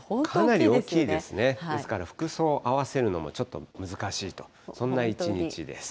かなり大きいですね、ですから、服装合わせるのもちょっと難しいと、そんな一日です。